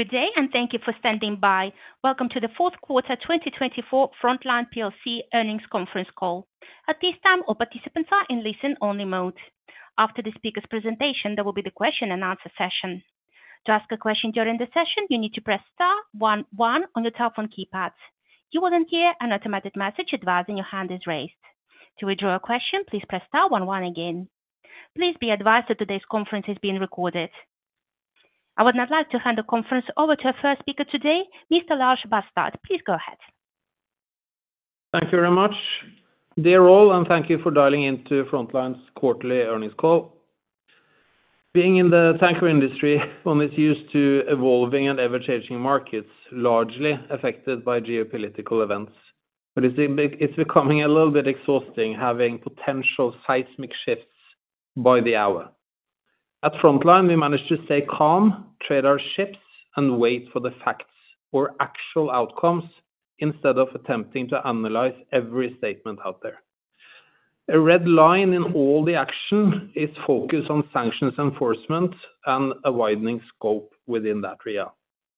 Good day, and thank you for standing by. Welcome to the fourth quarter 2024 Frontline plc earnings conference call. At this time, all participants are in listen-only mode. After the speaker's presentation, there will be the question-and-answer session. To ask a question during the session, you need to press * 11 on your telephone keypad. You will then hear an automated message advising your hand is raised. To withdraw a question, please press * 11 again. Please be advised that today's conference is being recorded. I would now like to hand the conference over to our first speaker today, Mr. Lars H. Barstad. Please go ahead. Thank you very much, dear all, and thank you for dialing into Frontline's quarterly earnings call. Being in the tanker industry one is used to evolving and ever-changing markets, largely affected by geopolitical events. But it's becoming a little bit exhausting having potential seismic shifts by the hour. At Frontline, we manage to stay calm, trade our ships, and wait for the facts or actual outcomes instead of attempting to analyze every statement out there. A red line in all the action is focus on sanctions enforcement and a widening scope within that realm,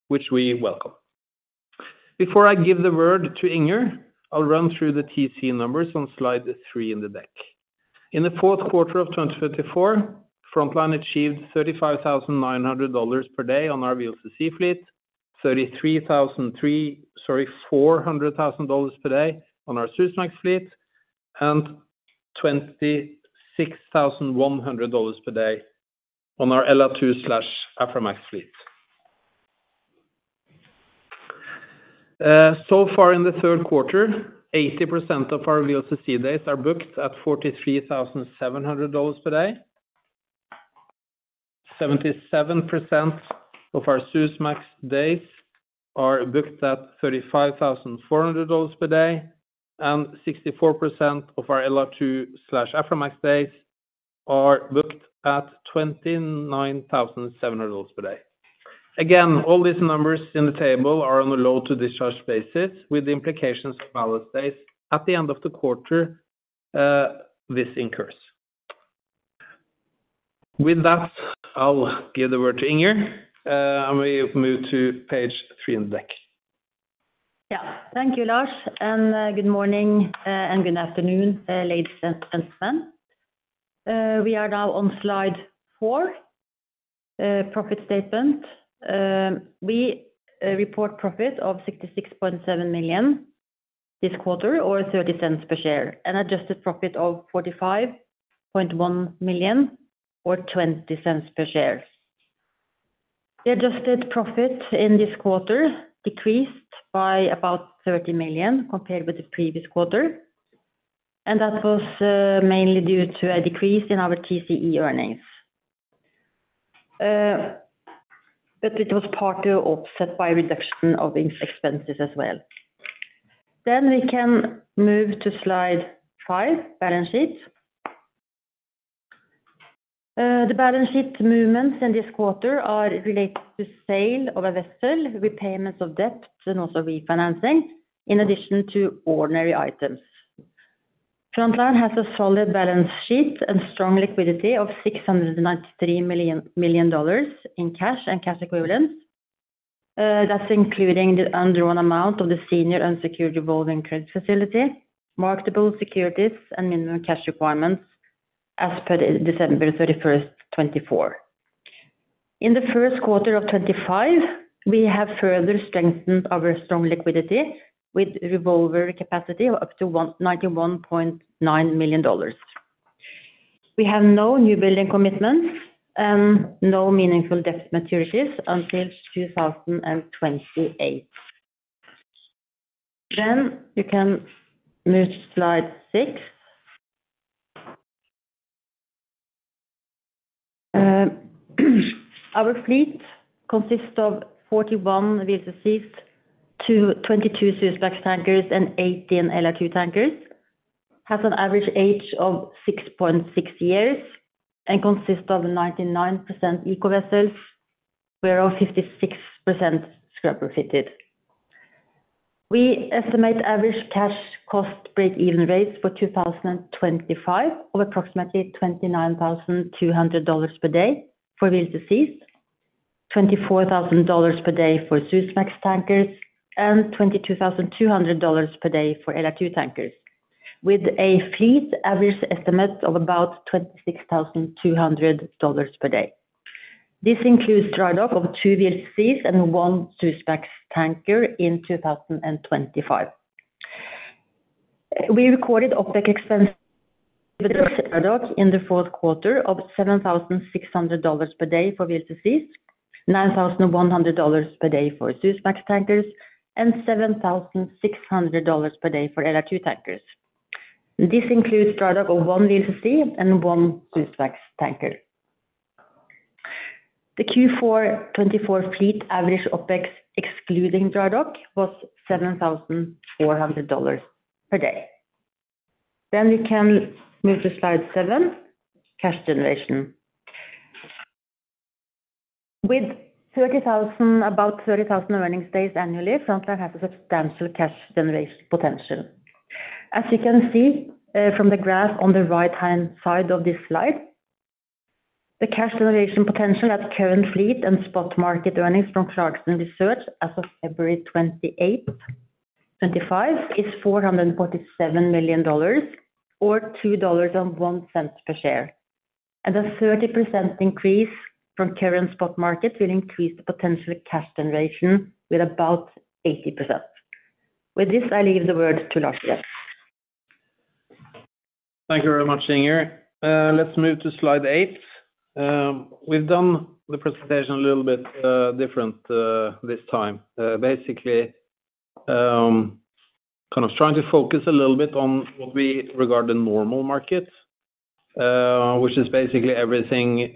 which we welcome. Before I give the word to Inger, I'll run through the TCE numbers on slide three in the deck. In the fourth quarter of 2024, Frontline achieved $35,900 per day on our VLCC fleet, $33,000, sorry, $34,000 per day on our Suezmax fleet, and $26,100 per day on our LR2/Aframax fleet. So far, in the third quarter, 80% of our VLCC days are booked at $43,700 per day. 77% of our Suezmax days are booked at $35,400 per day, and 64% of our LR2/Aframax days are booked at $29,700 per day. Again, all these numbers in the table are on a load-to-discharge basis with implications for ballast days at the end of the quarter. This incurs. With that, I'll give the word to Inger, and we move to page three in the deck. Yeah, thank you, Lars, and good morning and good afternoon, ladies and gentlemen. We are now on slide four, profit statement. We report profit of $66.7 million this quarter, or $0.30 per share, and adjusted profit of $45.1 million, or $0.20 per share. The adjusted profit in this quarter decreased by about $30 million compared with the previous quarter, and that was mainly due to a decrease in our TCE earnings, but it was partly offset by reduction of expenses as well, then we can move to slide five, balance sheet. The balance sheet movements in this quarter are related to sale of a vessel, repayments of debt, and also refinancing, in addition to ordinary items. Frontline has a solid balance sheet and strong liquidity of $693 million in cash and cash equivalents. That's including the undrawn amount of the senior unsecured revolving credit facility, marketable securities, and minimum cash requirements as per December 31, 2024. In the first quarter of 2025, we have further strengthened our strong liquidity with revolver capacity of up to $91.9 million. We have no newbuilding commitments and no meaningful debt maturities until 2028. Then you can move to slide six. Our fleet consists of 41 VLCCs, 22 Suezmax tankers, and 18 LR2 tankers. It has an average age of 6.6 years and consists of 99% Eco vessels, whereas 56% scrubber-fitted. We estimate average cash cost break-even rates for 2025 of approximately $29,200 per day for VLCCs, $24,000 per day for Suezmax tankers, and $22,200 per day for LR2 tankers, with a fleet average estimate of about $26,200 per day. This includes dry dock of two VLCCs and one Suezmax tanker in 2025. We recorded OpEx with dry dock in the fourth quarter of $7,600 per day for VLCCs, $9,100 per day for Suezmax tankers, and $7,600 per day for LR2 tankers. This includes dry dock of one VLCC and one Suezmax tanker. The Q4 2024 fleet average OpEx excluding dry dock was $7,400 per day. Then we can move to slide seven, cash generation. With about 30,000 earnings days annually, Frontline has a substantial cash generation potential. As you can see from the graph on the right-hand side of this slide, the cash generation potential at current fleet and spot market earnings from Clarksons Research as of February 28, 2025 is $447 million, or $2.01 per share. And a 30% increase from current spot market will increase the potential cash generation with about 80%. With this, I leave the word to Lars again. Thank you very much, Inger. Let's move to slide eight. We've done the presentation a little bit different this time. Basically, kind of trying to focus a little bit on what we regard the normal market, which is basically everything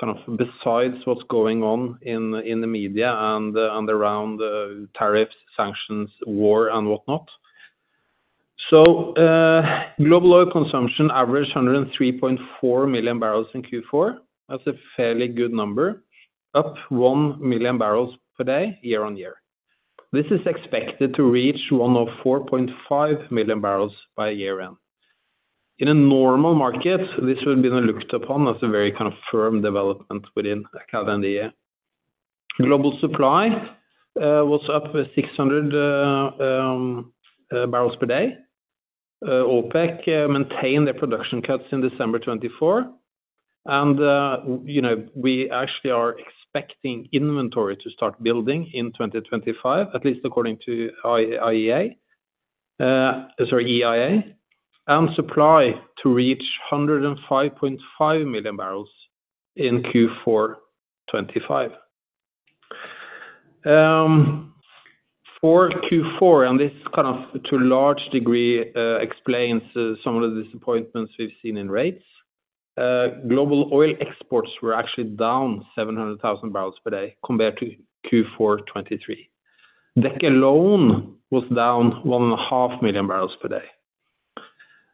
kind of besides what's going on in the media and around tariffs, sanctions, war, and whatnot. So global oil consumption averaged 103.4 million barrels in Q4. That's a fairly good number, up 1 million barrels per day year on year. This is expected to reach 104.5 million barrels by year-end. In a normal market, this would have been looked upon as a very kind of firm development within the media. Global supply was up with 600,000 barrels per day. OPEC maintained their production cuts in December 2024. And we actually are expecting inventory to start building in 2025, at least according to EIA, and supply to reach 105.5 million barrels in Q4 2025. For Q4, and this kind of to a large degree explains some of the disappointments we've seen in rates. Global oil exports were actually down 700,000 barrels per day compared to Q4 2023. OPEC alone was down 1.5 million barrels per day.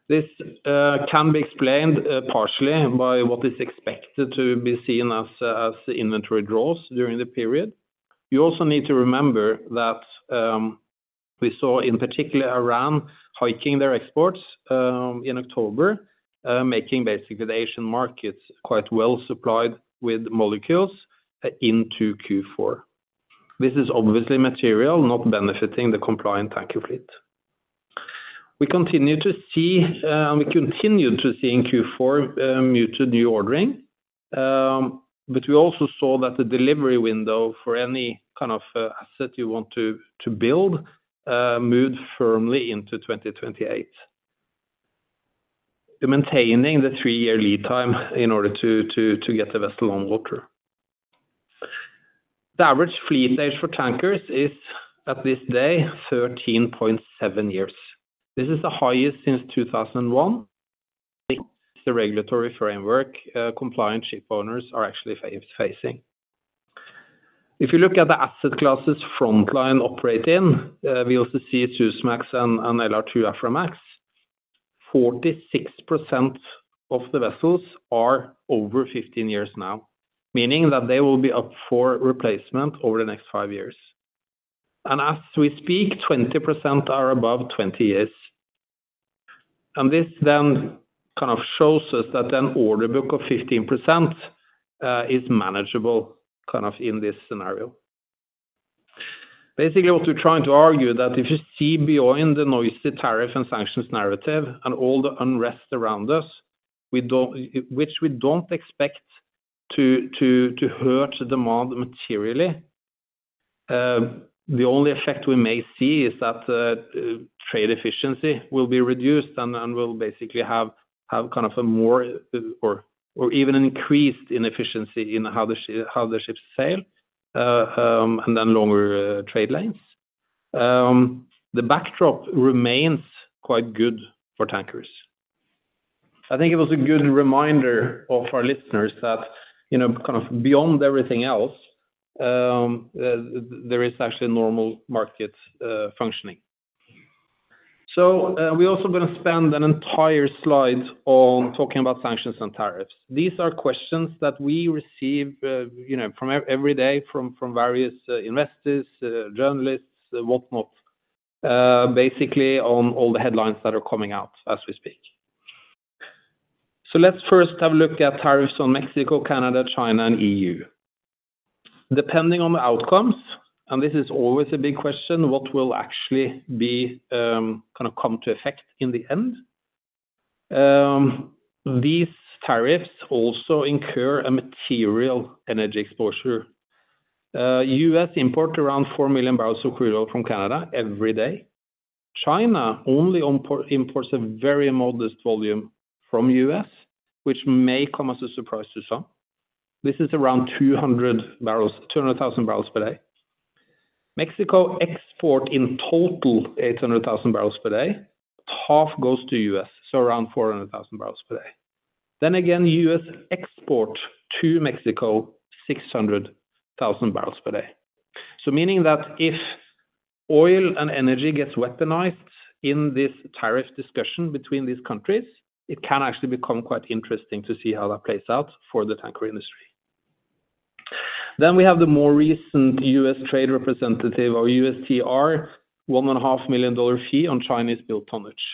This can be explained partially by what is expected to be seen as inventory draws during the period. You also need to remember that we saw, in particular, Iran hiking their exports in October, making basically the Asian markets quite well supplied with molecules into Q4. This is obviously material, not benefiting the compliant tanker fleet. We continue to see, and we continued to see in Q4 muted new ordering. But we also saw that the delivery window for any kind of asset you want to build moved firmly into 2028, maintaining the three-year lead time in order to get the vessel on water. The average fleet age for tankers is, at this day, 13.7 years. This is the highest since 2001. The regulatory framework compliant ship owners are actually facing. If you look at the asset classes Frontline operate in, we also see Suezmax and LR2/Aframax, 46% of the vessels are over 15 years now, meaning that they will be up for replacement over the next five years. And as we speak, 20% are above 20 years. And this then kind of shows us that an order book of 15% is manageable kind of in this scenario. Basically, what we're trying to argue is that if you see beyond the noisy tariff and sanctions narrative and all the unrest around us, which we don't expect to hurt demand materially, the only effect we may see is that trade efficiency will be reduced and will basically have kind of a more or even an increased inefficiency in how the ships sail and then longer trade lanes. The backdrop remains quite good for tankers. I think it was a good reminder to our listeners that kind of beyond everything else, there is actually a normal market functioning. So we're also going to spend an entire slide on talking about sanctions and tariffs. These are questions that we receive every day from various investors, journalists, whatnot, basically on all the headlines that are coming out as we speak. So let's first have a look at tariffs on Mexico, Canada, China, and EU. Depending on the outcomes, and this is always a big question, what will actually be kind of come to effect in the end? These tariffs also incur a material energy exposure. U.S. imports around 4 million barrels of crude oil from Canada every day. China only imports a very modest volume from the U.S., which may come as a surprise to some. This is around 200,000 barrels per day. Mexico exports in total 800,000 barrels per day. Half goes to the U.S., so around 400,000 barrels per day. Then again, U.S. exports to Mexico 600,000 barrels per day. So meaning that if oil and energy gets weaponized in this tariff discussion between these countries, it can actually become quite interesting to see how that plays out for the tanker industry. Then we have the more recent U.S. Trade Representative, or USTR, $1.5 million fee on Chinese-built tonnage.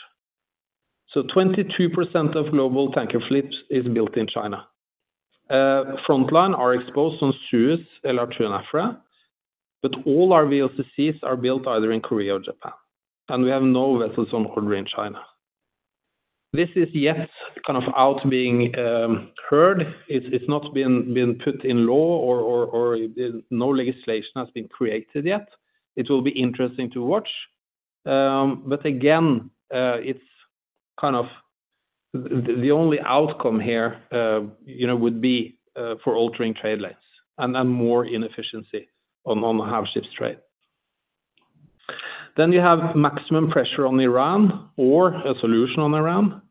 So 22% of global tanker fleets is built in China. Frontline is exposed on Suezmax, LR2, and Aframax, but all our VLCCs are built either in Korea or Japan, and we have no vessels on order in China. This is yet kind of out there being heard. It's not been put in law or no legislation has been created yet. It will be interesting to watch, but again, it's kind of the only outcome here would be for altering trade lanes and more inefficiency on the uncertain trade. Then you have maximum pressure on Iran or a solution on Iran,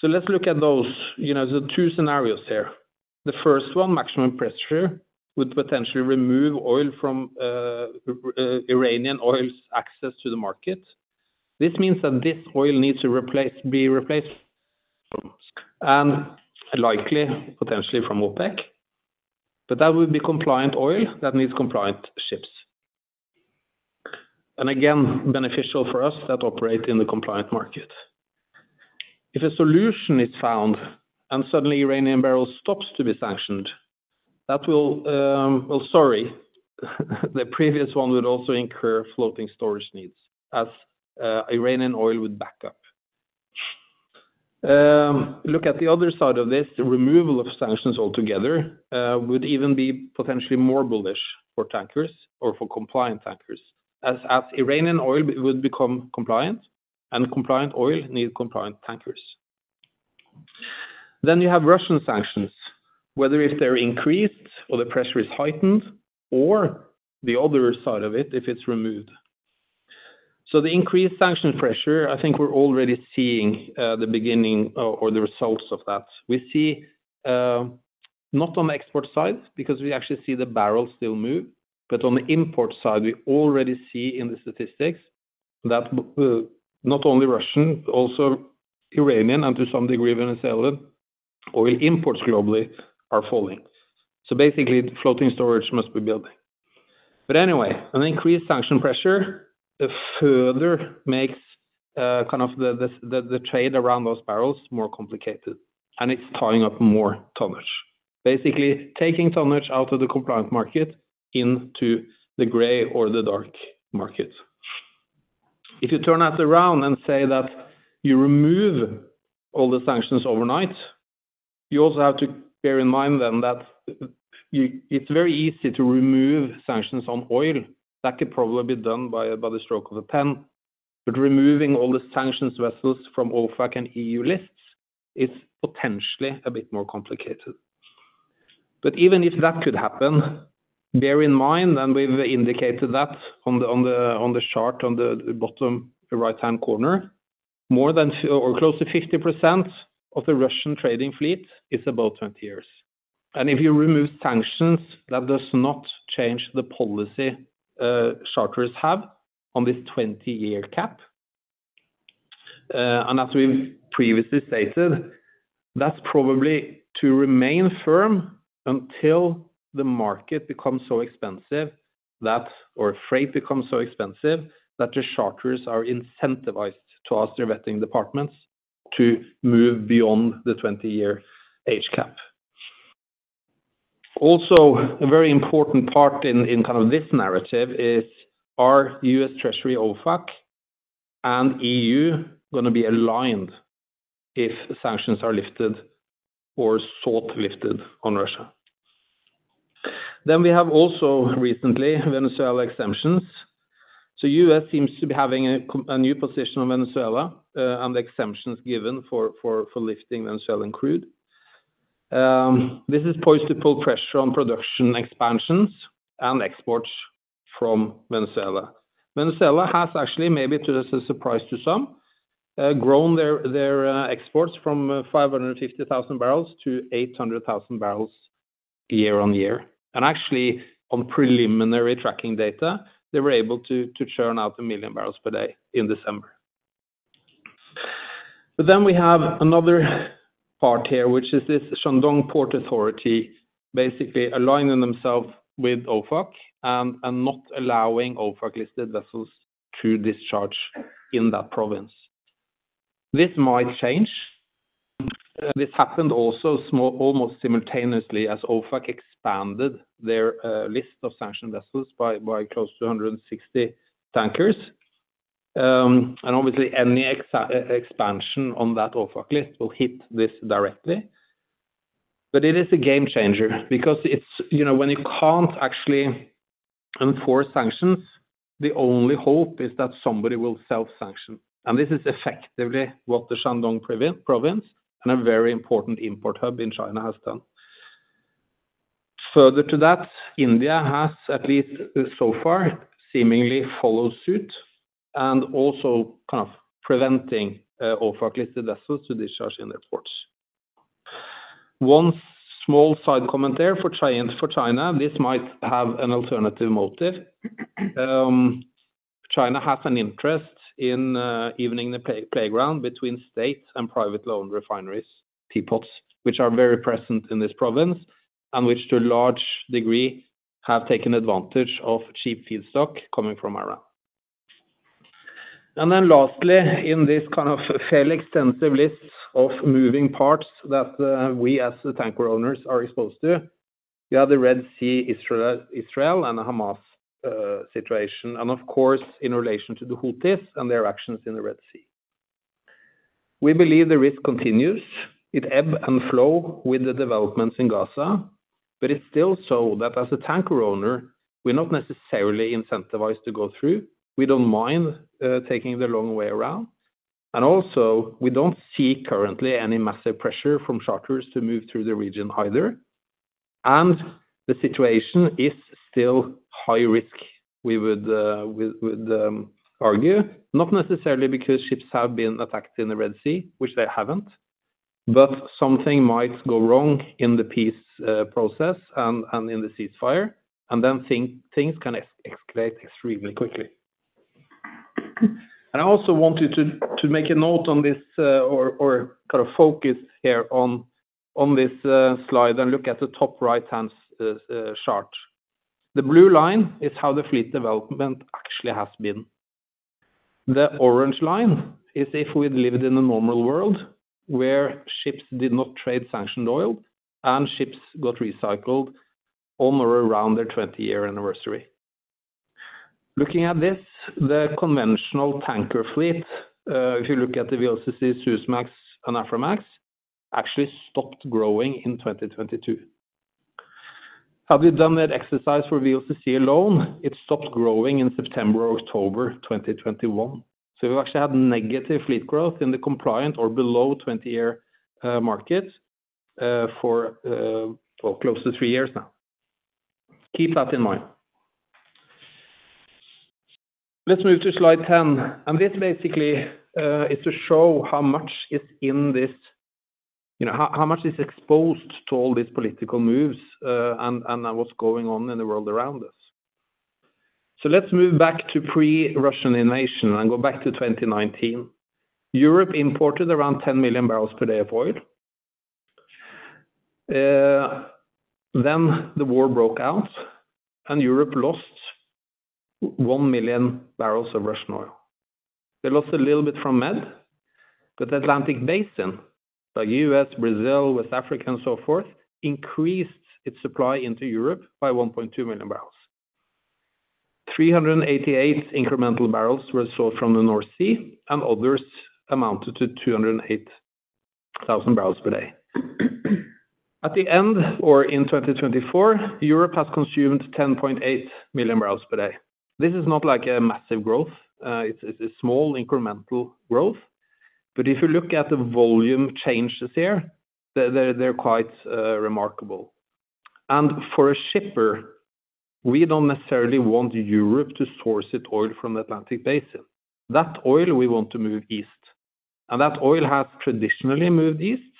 so let's look at those two scenarios here. The first one, maximum pressure would potentially remove Iranian oil's access to the market. This means that this oil needs to be replaced from. Likely potentially from OPEC. That would be compliant oil that needs compliant ships. Again, beneficial for us that operate in the compliant market. If a solution is found and suddenly Iranian barrels stop to be sanctioned, that will, well, sorry, the previous one would also incur floating storage needs as Iranian oil would back up. Look at the other side of this. The removal of sanctions altogether would even be potentially more bullish for tankers or for compliant tankers as Iranian oil would become compliant and compliant oil needs compliant tankers. You have Russian sanctions, whether if they're increased or the pressure is heightened or the other side of it if it's removed. The increased sanction pressure, I think we're already seeing the beginning or the results of that. We see not on the export side because we actually see the barrels still move, but on the import side, we already see in the statistics that not only Russian, also Iranian and to some degree Venezuelan oil imports globally are falling. So basically, floating storage must be building. But anyway, an increased sanction pressure further makes kind of the trade around those barrels more complicated, and it's tying up more tonnage. Basically, taking tonnage out of the compliant market into the gray or the dark market. If you turn that around and say that you remove all the sanctions overnight, you also have to bear in mind then that it's very easy to remove sanctions on oil. That could probably be done by the stroke of a pen. But removing all the sanctions vessels from OFAC and EU lists is potentially a bit more complicated. But even if that could happen, bear in mind, and we've indicated that on the chart on the bottom right-hand corner, more than or close to 50% of the Russian trading fleet is above 20 years. And if you remove sanctions, that does not change the policy charterers have on this 20-year cap. And as we've previously stated, that's probably to remain firm until the market becomes so expensive that or freight becomes so expensive that the charterers are incentivized to ask their vetting departments to move beyond the 20-year age cap. Also, a very important part in kind of this narrative is, are U.S. Treasury OFAC and EU going to be aligned if sanctions are lifted or sought lifted on Russia? Then we have also recently Venezuela exemptions. So U.S. seems to be having a new position on Venezuela and exemptions given for lifting Venezuelan crude. This is poised to pull pressure on production expansions and exports from Venezuela. Venezuela has actually, maybe to a surprise to some, grown their exports from 550,000 barrels to 800,000 barrels year on year. Actually, on preliminary tracking data, they were able to churn out 1 million barrels per day in December. But then we have another part here, which is this Shandong Port Group basically aligning themselves with OFAC and not allowing OFAC-listed vessels to discharge in that province. This might change. This happened also almost simultaneously as OFAC expanded their list of sanctioned vessels by close to 160 tankers. Obviously, any expansion on that OFAC list will hit this directly. But it is a game changer because when you can't actually enforce sanctions, the only hope is that somebody will self-sanction. This is effectively what the Shandong Province and a very important import hub in China has done. Further to that, India has at least so far seemingly followed suit and also kind of preventing OFAC-listed vessels to discharge in their ports. One small side comment there for China, this might have an alternative motive. China has an interest in evening the playing field between state and private independent refineries, teapots, which are very present in this province and which to a large degree have taken advantage of cheap feedstock coming from Iran. Then lastly, in this kind of fairly extensive list of moving parts that we as tanker owners are exposed to, we have the Red Sea, Israel, and the Hamas situation. Of course, in relation to the Houthis and their actions in the Red Sea. We believe the risk continues with ebb and flow with the developments in Gaza. But it's still so that as a tanker owner, we're not necessarily incentivized to go through. We don't mind taking the long way around. And also, we don't see currently any massive pressure from charterers to move through the region either. And the situation is still high risk, we would argue. Not necessarily because ships have been attacked in the Red Sea, which they haven't, but something might go wrong in the peace process and in the ceasefire, and then things can escalate extremely quickly. And I also wanted to make a note on this or kind of focus here on this slide and look at the top right-hand chart. The blue line is how the fleet development actually has been. The orange line is if we lived in a normal world where ships did not trade sanctioned oil and ships got recycled on or around their 20-year anniversary. Looking at this, the conventional tanker fleet, if you look at the VLCC, Suezmax, and Aframax, actually stopped growing in 2022. Had we done that exercise for VLCC alone, it stopped growing in September or October 2021. So we've actually had negative fleet growth in the compliant or below 20-year market for close to three years now. Keep that in mind. Let's move to slide 10. And this basically is to show how much is in this, how much is exposed to all these political moves and what's going on in the world around us. So let's move back to pre-Russian invasion and go back to 2019. Europe imported around 10 million barrels per day of oil. Then the war broke out, and Europe lost 1 million barrels of Russian oil. They lost a little bit from Med, but the Atlantic Basin, like the U.S., Brazil, West Africa, and so forth, increased its supply into Europe by 1.2 million barrels. 388,000 incremental barrels were sold from the North Sea, and others amounted to 208,000 barrels per day. At the end, or in 2024, Europe has consumed 10.8 million barrels per day. This is not like a massive growth. It's a small incremental growth. But if you look at the volume changes here, they're quite remarkable. And for a shipper, we don't necessarily want Europe to source its oil from the Atlantic Basin. That oil we want to move east. That oil has traditionally moved east,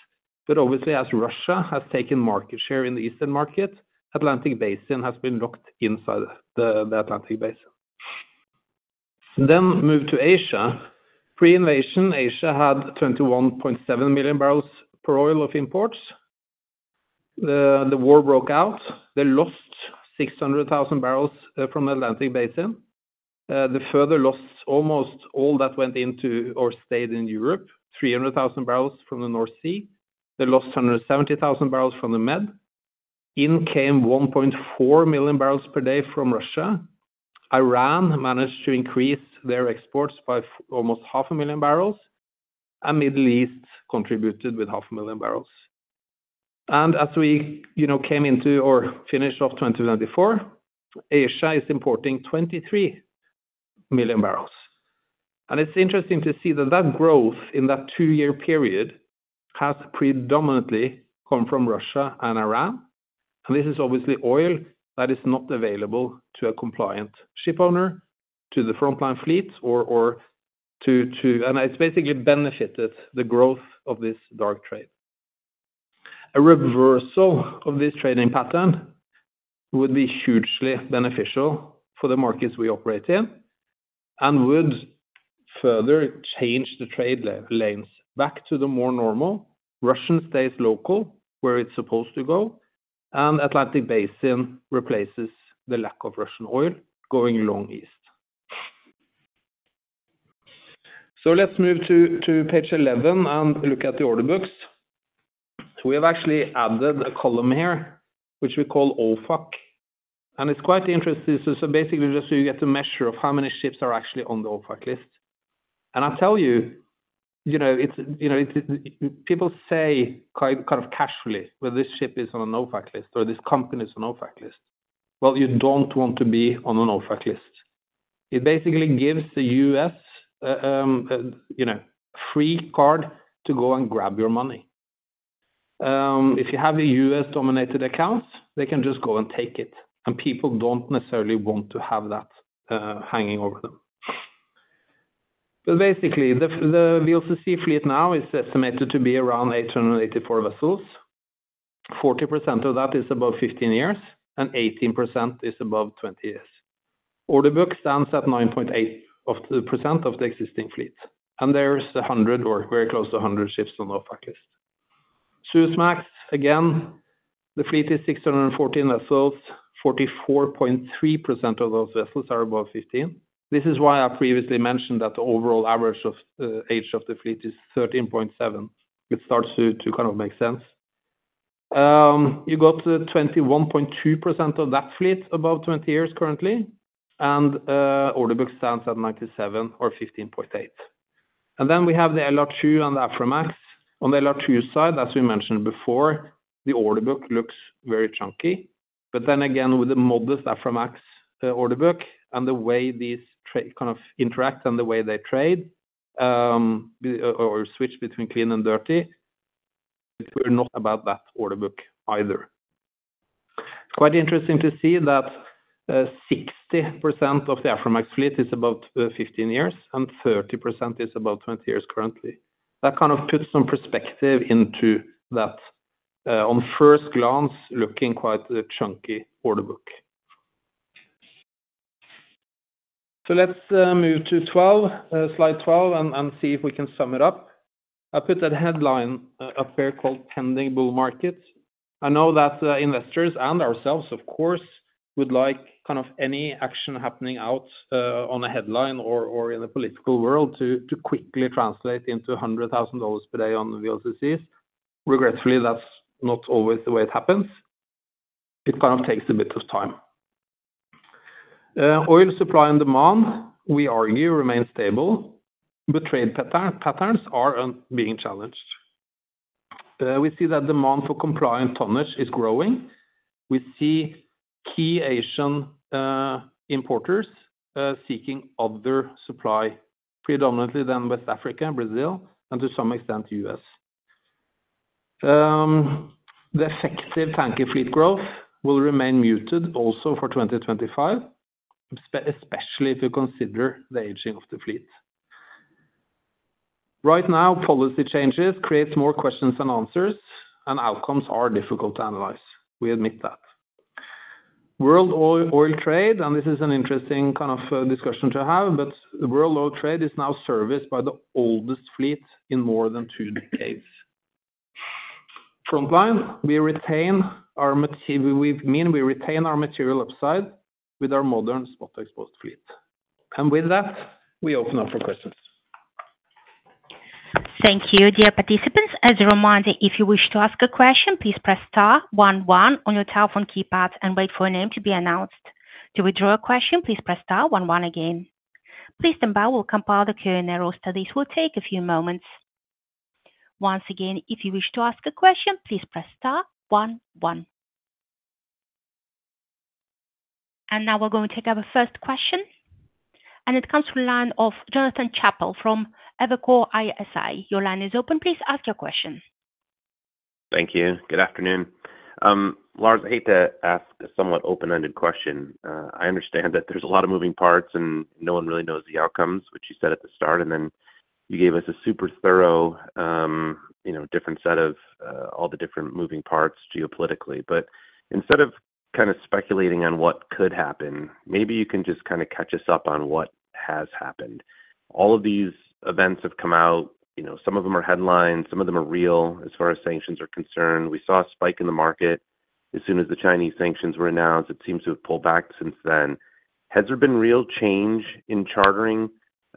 but obviously, as Russia has taken market share in the Eastern market, the Atlantic Basin has been locked inside the Atlantic Basin. Move to Asia. Pre-invasion, Asia had 21.7 million barrels per day of oil imports. The war broke out. They lost 600,000 barrels from the Atlantic Basin. They further lost almost all that went into or stayed in Europe, 300,000 barrels from the North Sea. They lost 170,000 barrels from the Med. In came 1.4 million barrels per day from Russia. Iran managed to increase their exports by almost 500,000 barrels. The Middle East contributed with 500,000 barrels. As we came into or finished off 2024, Asia is importing 23 million barrels. It's interesting to see that that growth in that two-year period has predominantly come from Russia and Iran. This is obviously oil that is not available to a compliant ship owner, to the Frontline fleet, or to, and it's basically benefited the growth of this dark trade. A reversal of this trading pattern would be hugely beneficial for the markets we operate in and would further change the trade lanes back to the more normal. Russians stay local where it's supposed to go, and the Atlantic Basin replaces the lack of Russian oil going long east. So let's move to page 11 and look at the order books. We have actually added a column here, which we call OFAC. And it's quite interesting. So basically, you get to measure how many ships are actually on the OFAC list. I tell you, people say kind of casually, "Well, this ship is on an OFAC list," or "This company is on an OFAC list." Well, you don't want to be on an OFAC list. It basically gives the U.S. free card to go and grab your money. If you have a U.S.-dominated account, they can just go and take it. And people don't necessarily want to have that hanging over them. But basically, the VLCC fleet now is estimated to be around 884 vessels. 40% of that is above 15 years, and 18% is above 20 years. Order book stands at 9.8% of the existing fleet. And there's 100 or very close to 100 ships on the OFAC list. Suezmax, again, the fleet is 614 vessels. 44.3% of those vessels are above 15. This is why I previously mentioned that the overall average age of the fleet is 13.7. It starts to kind of make sense. You got 21.2% of that fleet above 20 years currently, and order book stands at 97 or 15.8, and then we have the LR2 and the Aframax. On the LR2 side, as we mentioned before, the order book looks very chunky, but then again, with the modest Aframax order book and the way these kind of interact and the way they trade or switch between clean and dirty, we're not about that order book either. It's quite interesting to see that 60% of the Aframax fleet is about 15 years and 30% is about 20 years currently. That kind of puts some perspective into that, on first glance, looking quite a chunky order book, so let's move to slide 12 and see if we can sum it up. I put a headline up here called "Pending Bull Market." I know that investors and ourselves, of course, would like kind of any action happening out on a headline or in the political world to quickly translate into $100,000 per day on VLCCs. Regretfully, that's not always the way it happens. It kind of takes a bit of time. Oil supply and demand, we argue, remain stable, but trade patterns are being challenged. We see that demand for compliant tonnage is growing. We see key Asian importers seeking other supply, predominantly then West Africa, Brazil, and to some extent the U.S. The effective tanker fleet growth will remain muted also for 2025, especially if you consider the aging of the fleet. Right now, policy changes create more questions than answers, and outcomes are difficult to analyze. We admit that. World oil trade, and this is an interesting kind of discussion to have, but the world oil trade is now serviced by the oldest fleet in more than two decades. Frontline, we retain our material upside with our modern spot-exposed fleet. And with that, we open up for questions. Thank you, dear participants. As a reminder, if you wish to ask a question, please press star 11 on your telephone keypad and wait for a name to be announced. To withdraw a question, please press star 11 again. Please stand by. We'll compile the Q&A roster. It will take a few moments. Once again, if you wish to ask a question, please press star 11. And now we're going to take our first question. And it comes from the line of Jonathan Chappell from Evercore ISI. Your line is open. Please ask your question. Thank you. Good afternoon. Lars, I hate to ask a somewhat open-ended question. I understand that there's a lot of moving parts and no one really knows the outcomes, which you said at the start. And then you gave us a super thorough different set of all the different moving parts geopolitically. But instead of kind of speculating on what could happen, maybe you can just kind of catch us up on what has happened. All of these events have come out. Some of them are headlines. Some of them are real as far as sanctions are concerned. We saw a spike in the market as soon as the Chinese sanctions were announced. It seems to have pulled back since then. Has there been real change in chartering?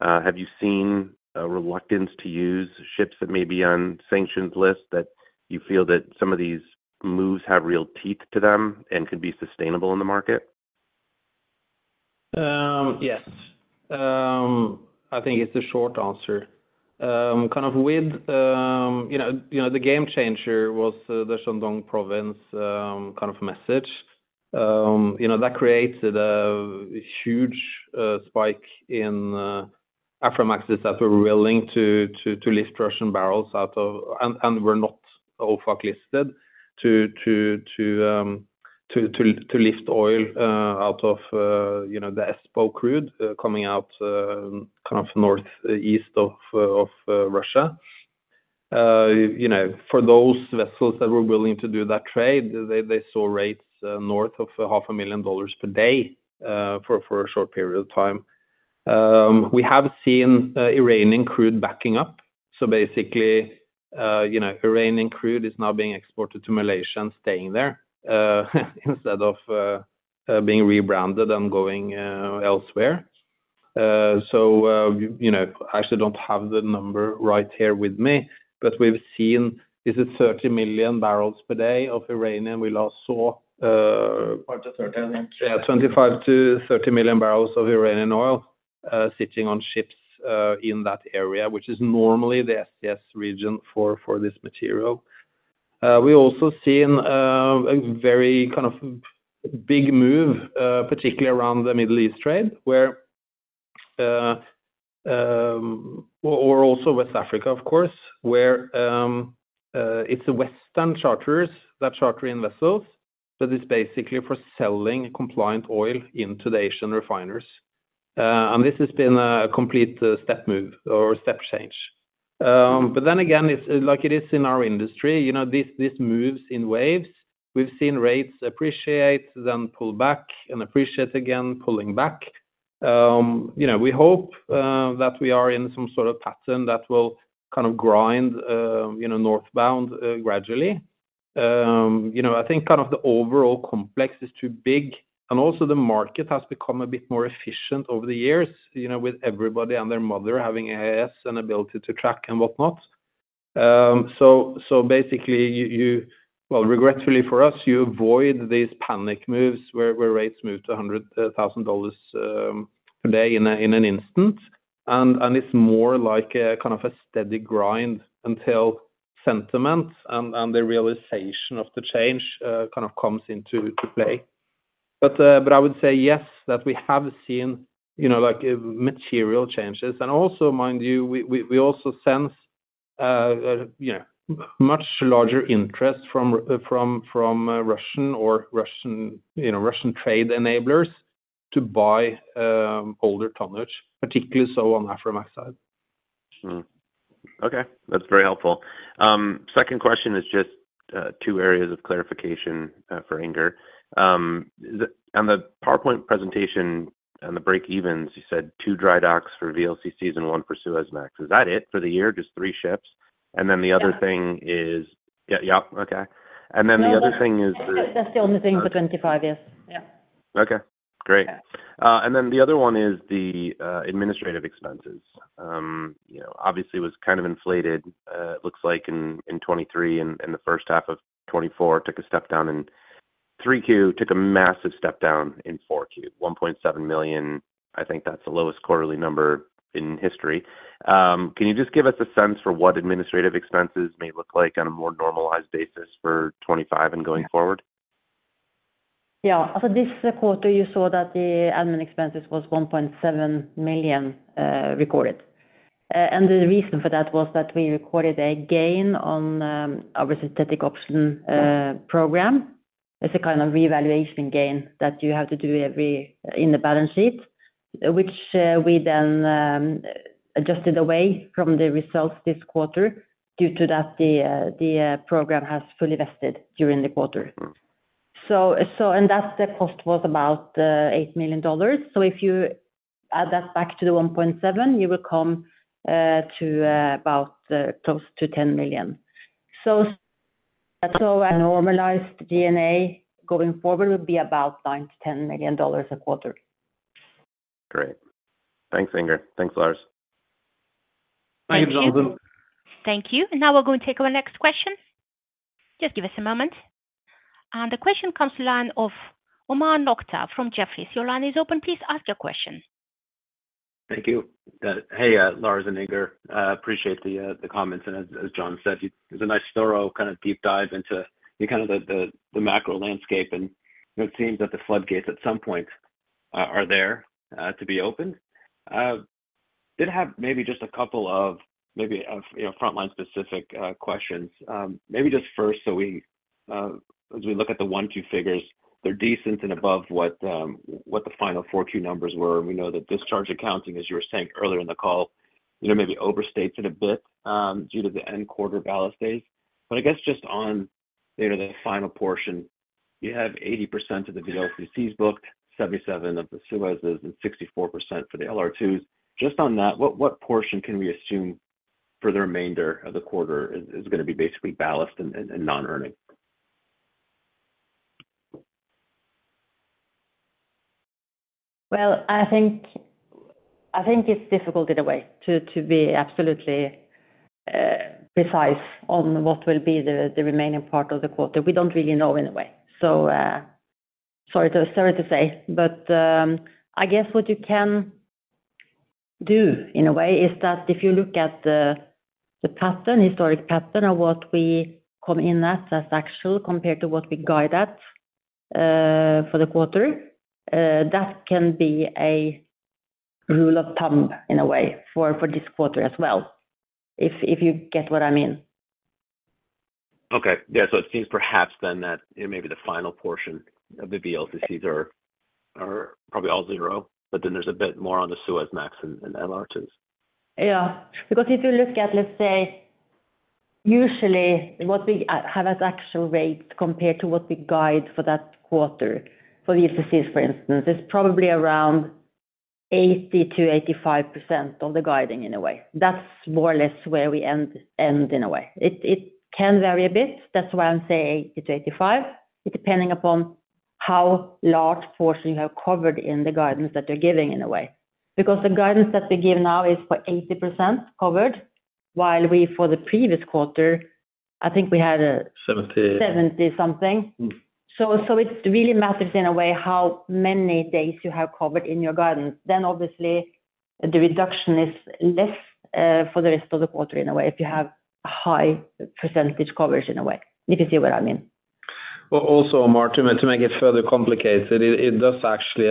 Have you seen a reluctance to use ships that may be on sanctions lists that you feel that some of these moves have real teeth to them and could be sustainable in the market? Yes. I think it's a short answer. Kind of with the game changer was the Shandong Province kind of message. That created a huge spike in Aframaxes that were willing to lift Russian barrels out of, and were not OFAC-listed, to lift oil out of the ESPO crude coming out kind of northeast of Russia. For those vessels that were willing to do that trade, they saw rates north of $500,000 per day for a short period of time. We have seen Iranian crude backing up. So basically, Iranian crude is now being exported to Malaysia, staying there instead of being rebranded and going elsewhere. So I actually don't have the number right here with me. But we've seen this is 30 million barrels per day of Iranian. We last saw 25-30 million barrels of Iranian oil sitting on ships in that area, which is normally the Southeast region for this material. We also seen a very kind of big move, particularly around the Middle East trade or also West Africa, of course, where it's Western charterers, that chartering vessels, but it's basically for selling compliant oil into the Asian refineries. And this has been a complete step move or step change. But then again, like it is in our industry, this moves in waves. We've seen rates appreciate, then pull back and appreciate again, pulling back. We hope that we are in some sort of pattern that will kind of grind northbound gradually. I think kind of the overall complex is too big, and also the market has become a bit more efficient over the years with everybody and their mother having AIS and ability to track and whatnot. So basically, well, regretfully for us, you avoid these panic moves where rates move to $100,000 per day in an instant, and it's more like kind of a steady grind until sentiment and the realization of the change kind of comes into play. But I would say yes, that we have seen material changes, and also, mind you, we also sense much larger interest from Russian or Russian trade enablers to buy older tonnage, particularly so on the Aframax side. Okay. That's very helpful. Second question is just two areas of clarification for Inger. On the PowerPoint presentation and the break-evens, you said two dry docks for VLCCs and one for Suezmax. Is that it for the year? Just three ships? And then the other thing is yep, yep. Okay. And then the other thing is the. That's the only thing for 2025. Yeah. Okay. Great. And then the other one is the administrative expenses. Obviously, it was kind of inflated, it looks like, in 2023 and the first half of 2024, took a step down in 3Q, took a massive step down in 4Q. $1.7 million, I think that's the lowest quarterly number in history. Can you just give us a sense for what administrative expenses may look like on a more normalized basis for 2025 and going forward? Yeah. So this quarter, you saw that the admin expenses was $1.7 million recorded. And the reason for that was that we recorded a gain on our synthetic option program. It's a kind of revaluation gain that you have to do in the balance sheet, which we then adjusted away from the results this quarter due to that the program has fully vested during the quarter. And that cost was about $8 million. So if you add that back to the $1.7, you will come to about close to $10 million. So a normalized G&A going forward would be about $9-$10 million a quarter. Great. Thanks, Inger. Thanks, Lars. Thank you, Jonathan. Thank you. Now we're going to take our next question. Just give us a moment. And the question comes to the line of Omar Nokta from Jefferies. Your line is open. Please ask your question. Thank you. Hey, Lars and Inger. I appreciate the comments. And as Jonathan said, it was a nice thorough kind of deep dive into kind of the macro landscape. It seems that the floodgates at some point are there to be opened. Did have maybe just a couple of maybe Frontline-specific questions. Maybe just first, as we look at the 1Q figures, they're decent and above what the final 4Q numbers were. We know that discharge accounting, as you were saying earlier in the call, maybe overstates it a bit due to the end quarter ballast days. I guess just on the final portion, you have 80% of the VLCCs booked, 77% of the Suezmaxes, and 64% for the LR2s. Just on that, what portion can we assume for the remainder of the quarter is going to be basically ballast and non-earning? I think it's difficult in a way to be absolutely precise on what will be the remaining part of the quarter. We don't really know in a way. Sorry to say. But I guess what you can do in a way is that if you look at the historic pattern of what we come in at as actual compared to what we guide at for the quarter, that can be a rule of thumb in a way for this quarter as well, if you get what I mean. Okay. Yeah. So it seems perhaps then that maybe the final portion of the VLCCs are probably all zero, but then there's a bit more on the Suezmax and LR2s. Yeah. Because if you look at, let's say, usually what we have as actual rates compared to what we guide for that quarter for VLCCs, for instance, is probably around 80%-85% of the guiding in a way. That's more or less where we end in a way. It can vary a bit. That's why I'm saying 80%-85%, depending upon how large portion you have covered in the guidance that you're giving in a way. Because the guidance that we give now is for 80% covered, while for the previous quarter, I think we had 70-something%. So it really matters in a way how many days you have covered in your guidance. Then obviously, the reduction is less for the rest of the quarter in a way if you have a high percentage coverage in a way. If you see what I mean. Well, also, Omar, to make it further complicated, it does actually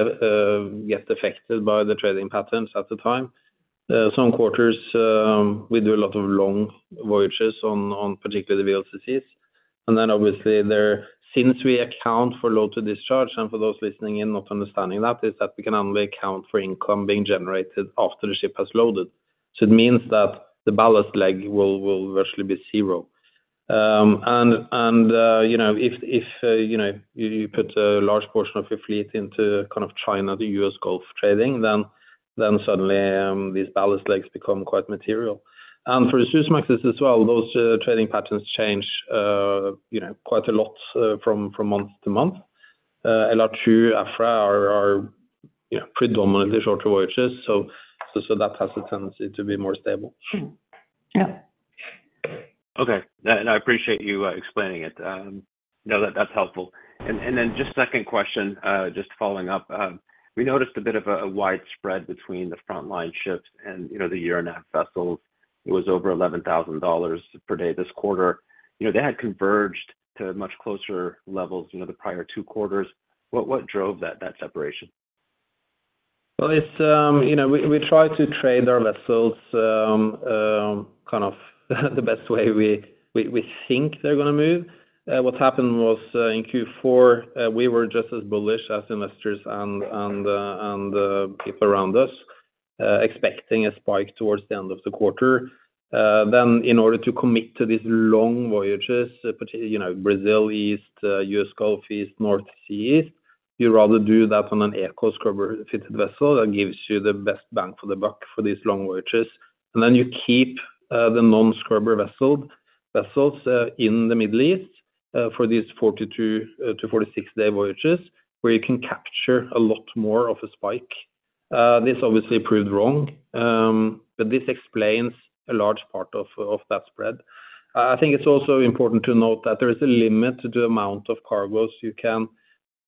get affected by the trading patterns at the time. Some quarters, we do a lot of long voyages on particularly the VLCCs. Then obviously, since we account for load-to-discharge and for those listening in not understanding that, is that we can only account for income being generated after the ship has loaded. So it means that the ballast leg will virtually be zero. And if you put a large portion of your fleet into kind of China to U.S. Gulf trading, then suddenly these ballast legs become quite material. And for the Suezmax as well, those trading patterns change quite a lot from month to month. LR2, Aframax are predominantly shorter voyages. So that has a tendency to be more stable. Yeah. Okay. I appreciate you explaining it. No, that's helpful. And then just second question, just following up, we noticed a bit of a widespread between the Frontline ships and the Euronav vessels. It was over $11,000 per day this quarter. They had converged to much closer levels the prior two quarters. What drove that separation? Well, we try to trade our vessels kind of the best way we think they're going to move. What happened was in Q4, we were just as bullish as investors and people around us expecting a spike towards the end of the quarter. Then in order to commit to these long voyages, Brazil East, U.S. Gulf East, North Sea East, you'd rather do that on an Eco scrubber-fitted vessel that gives you the best bang for the buck for these long voyages. And then you keep the non-scrubber vessels in the Middle East for these 42-46 day voyages where you can capture a lot more of a spike. This obviously proved wrong, but this explains a large part of that spread. I think it's also important to note that there is a limit to the amount of cargoes you can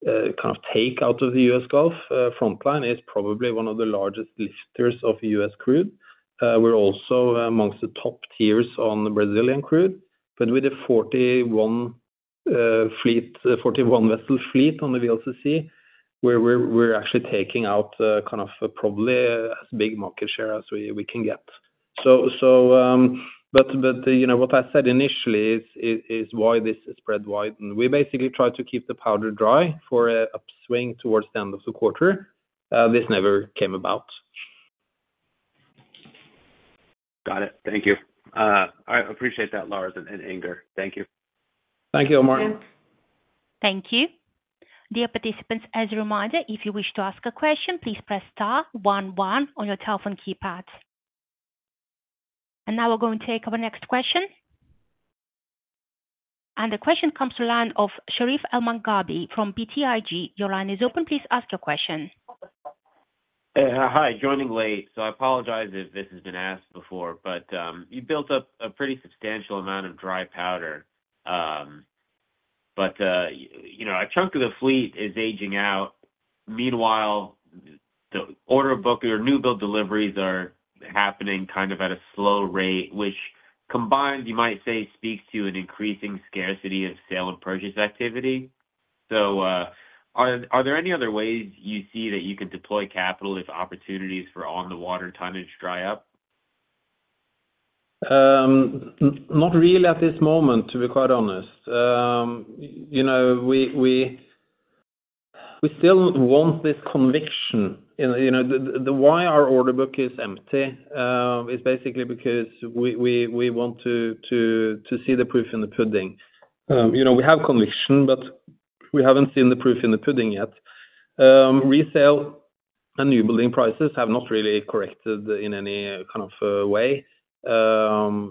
kind of take out of the U.S. Gulf. Frontline is probably one of the largest lifters of U.S. crude. We're also amongst the top tiers on the Brazilian crude. But with a 41-vessel fleet on the VLCC, we're actually taking out kind of probably as big market share as we can get. But what I said initially is why this spread wide. And we basically tried to keep the powder dry for an upswing towards the end of the quarter. This never came about. Got it. Thank you. I appreciate that, Lars and Inger. Thank you. Thank you, Omar. Thank you. Dear participants, as a reminder, if you wish to ask a question, please press star 11 on your telephone keypad. And now we're going to take our next question. And the question comes to the line of Sherif Elmaghrabi from BTIG. Your line is open. Please ask your question. Hi. Joining late. So I apologize if this has been asked before, but you built up a pretty substantial amount of dry powder. But a chunk of the fleet is aging out. Meanwhile, the order book or new build deliveries are happening kind of at a slow rate, which combined, you might say, speaks to an increasing scarcity of sale and purchase activity. So are there any other ways you see that you can deploy capital if opportunities for on-the-water tonnage dry up? Not really at this moment, to be quite honest. We still want this conviction. Why our order book is empty is basically because we want to see the proof in the pudding. We have conviction, but we haven't seen the proof in the pudding yet. Resale and new building prices have not really corrected in any kind of way. Kind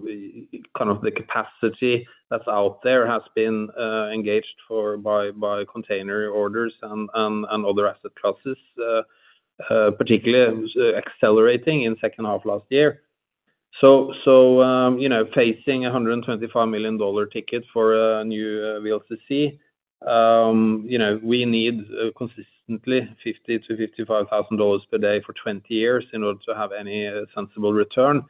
of the capacity that's out there has been engaged by container orders and other asset classes, particularly accelerating in the second half of last year. So facing a $125 million ticket for a new VLCC, we need consistently $50,000-$55,000 per day for 20 years in order to have any sensible return.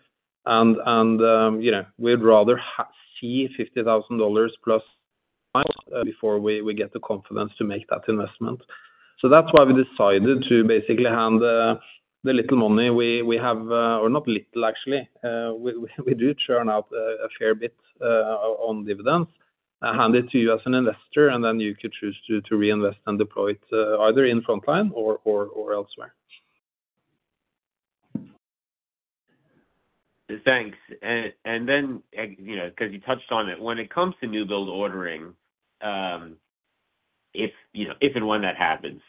And we'd rather see $50,000 plus miles before we get the confidence to make that investment. So that's why we decided to basically hand the little money we have, or not little actually, we do churn out a fair bit on dividends, hand it to you as an investor, and then you could choose to reinvest and deploy it either in Frontline or elsewhere. Thanks. And then because you touched on it, when it comes to new build ordering, if and when that happens,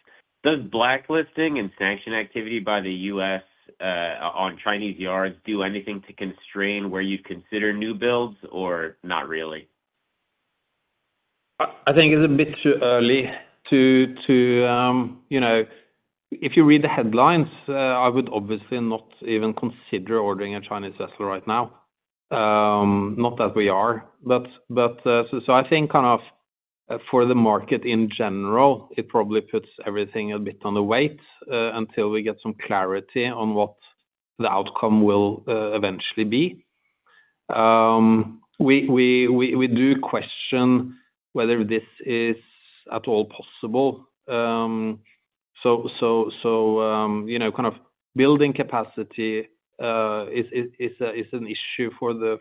does blacklisting and sanction activity by the U.S. on Chinese yards do anything to constrain where you'd consider new builds or not really? I think it's a bit too early to, if you read the headlines, I would obviously not even consider ordering a Chinese vessel right now. Not that we are. But so I think kind of for the market in general, it probably puts everything a bit on the wait until we get some clarity on what the outcome will eventually be. We do question whether this is at all possible. So kind of building capacity is an issue for the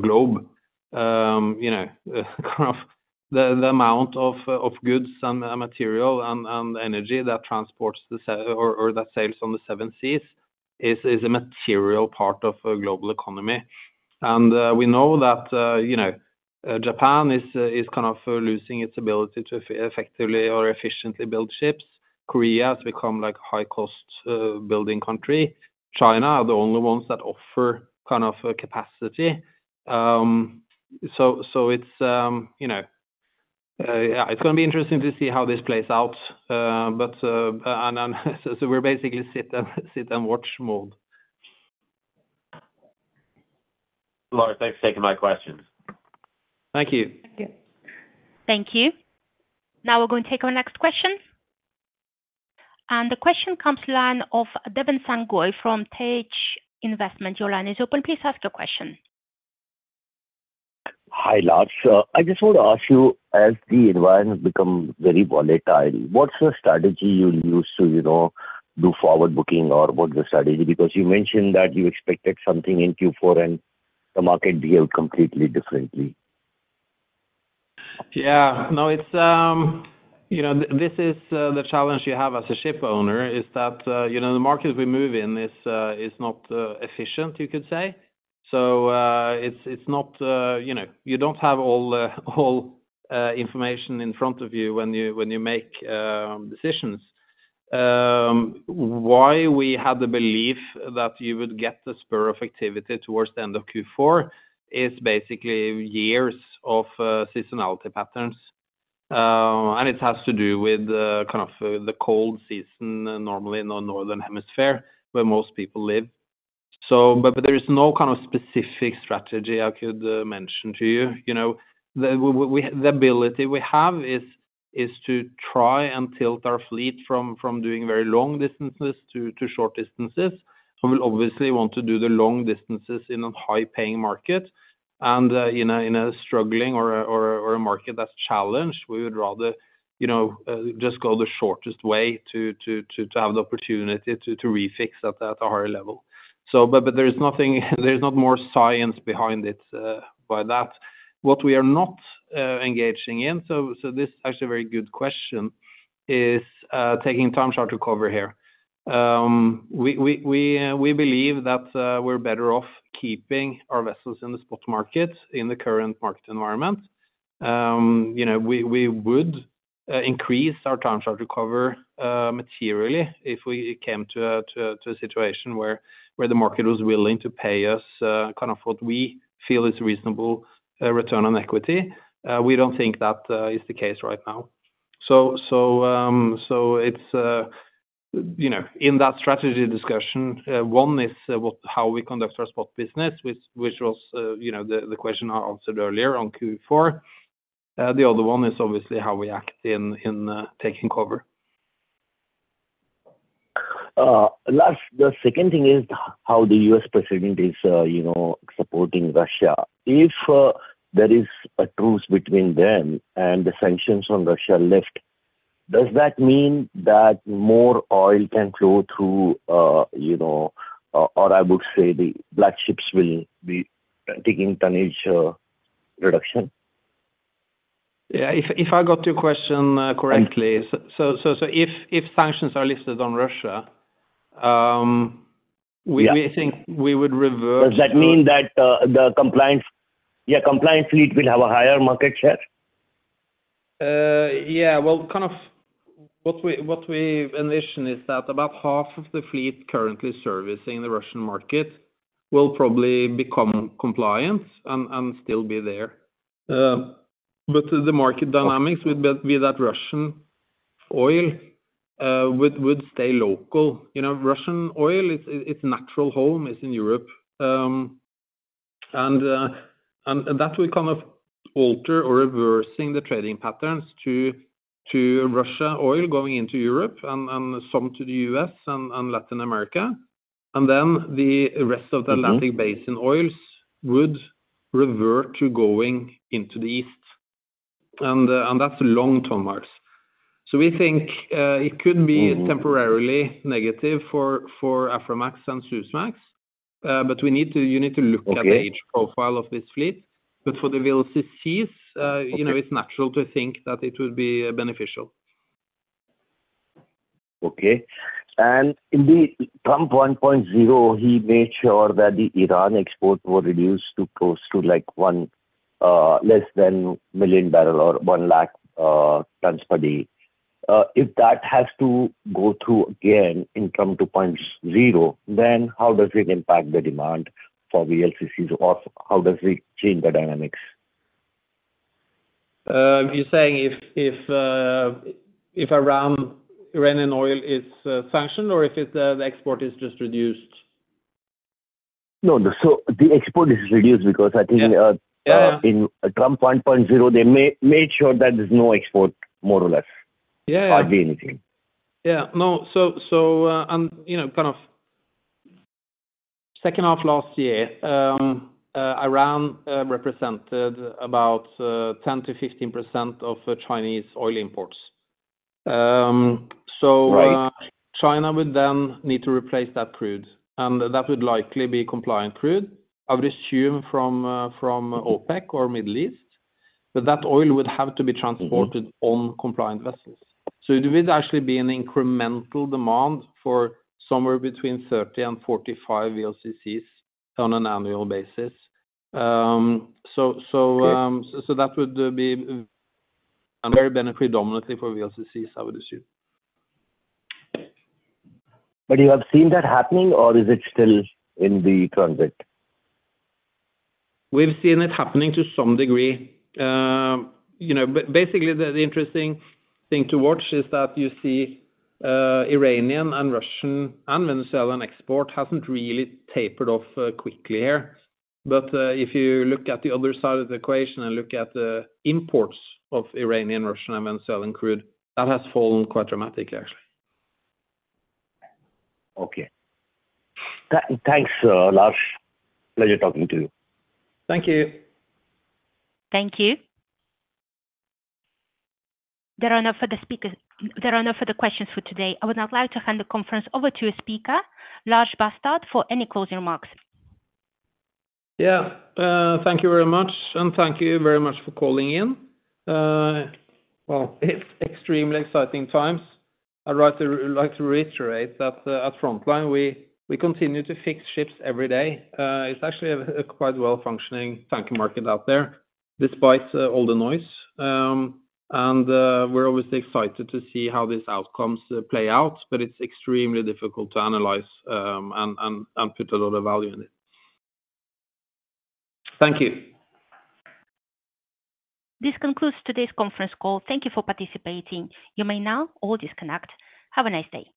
globe. Kind of the amount of goods and material and energy that transports or that sails on the seven seas is a material part of a global economy. We know that Japan is kind of losing its ability to effectively or efficiently build ships. Korea has become a high-cost building country. China are the only ones that offer kind of capacity. It's going to be interesting to see how this plays out. We're basically sit and watch mode. Lars, thanks for taking my questions. Thank you. Thank you. Now we're going to take our next question. The question comes to the line of Deven Sangoi from Tyche Capital Advisors. Your line is open. Please ask your question. Hi, Lars. I just want to ask you, as the environment becomes very volatile, what's the strategy you'll use to do forward booking or what's the strategy? Because you mentioned that you expected something in Q4 and the market behaved completely differently. Yeah. No, this is the challenge you have as a ship owner, is that the market we move in is not efficient, you could say. So it's not you don't have all information in front of you when you make decisions. Why we had the belief that you would get the spur of activity towards the end of Q4 is basically years of seasonality patterns, and it has to do with kind of the cold season normally in the Northern Hemisphere where most people live, but there is no kind of specific strategy I could mention to you. The ability we have is to try and tilt our fleet from doing very long distances to short distances. We'll obviously want to do the long distances in a high-paying market. In a struggling or a market that's challenged, we would rather just go the shortest way to have the opportunity to refix at a higher level. But there is no more science behind it than that. What we are not engaging in, so this is actually a very good question, is taking time charter coverage here. We believe that we're better off keeping our vessels in the spot market in the current market environment. We would increase our time charter coverage materially if we came to a situation where the market was willing to pay us kind of what we feel is a reasonable return on equity. We don't think that is the case right now. So in that strategy discussion, one is how we conduct our spot business, which was the question I answered earlier on Q4. The other one is obviously how we act in taking cover. Lars, the second thing is how the U.S. president is supporting Russia. If there is a truce between them and the sanctions on Russia lift, does that mean that more oil can flow through, or I would say the dark fleet will be taking tonnage reduction? Yeah. If I got your question correctly, so if sanctions are lifted on Russia, we think we would reverse. Does that mean that the compliant fleet will have a higher market share? Yeah. Well, kind of what we envision is that about half of the fleet currently servicing the Russian market will probably become compliant and still be there. But the market dynamics would be that Russian oil would stay local. Russian oil, its natural home is in Europe. That will kind of alter or reverse the trading patterns to Russia oil going into Europe and some to the U.S. and Latin America. And then the rest of the Atlantic Basin oils would revert to going into the East. And that's long-term, Lars. So we think it could be temporarily negative for Aframax and Suezmax, but you need to look at the age profile of this fleet. But for the VLCCs, it's natural to think that it would be beneficial. Okay. And indeed, Trump 1.0, he made sure that the Iran exports were reduced to close to less than a million barrels or 100,000 tons per day. If that has to go through again in Trump 2.0, then how does it impact the demand for VLCCs or how does it change the dynamics? You're saying if Iranian oil is sanctioned or if the export is just reduced? No, no. So the export is reduced because I think in Trump 1.0, they made sure that there's no export, more or less, hardly anything. Yeah. No. So kind of second half last year, Iran represented about 10%-15% of Chinese oil imports. So China would then need to replace that crude. And that would likely be compliant crude, I would assume, from OPEC or Middle East. But that oil would have to be transported on compliant vessels. So there would actually be an incremental demand for somewhere between 30 and 45 VLCCs on an annual basis. So that would be very beneficial dominantly for VLCCs, I would assume. But you have seen that happening, or is it still in the transit? We've seen it happening to some degree. But basically, the interesting thing to watch is that you see Iranian and Russian and Venezuelan export hasn't really tapered off quickly here. But if you look at the other side of the equation and look at the imports of Iranian, Russian, and Venezuelan crude, that has fallen quite dramatically, actually. Okay. Thanks, Lars. Pleasure talking to you. Thank you. Thank you. There are no further speakers. There are no further questions for today. I would now like to hand the conference over to your speaker, Lars Barstad, for any closing remarks. Yeah. Thank you very much. And thank you very much for calling in. Well, extremely exciting times. I'd like to reiterate that at Frontline, we continue to fix ships every day. It's actually a quite well-functioning tanker market out there, despite all the noise. We're obviously excited to see how these outcomes play out, but it's extremely difficult to analyze and put a lot of value in it. Thank you. This concludes today's conference call. Thank you for participating. You may now all disconnect. Have a nice day.